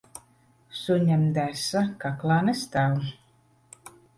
Suņam desa kaklā nestāv.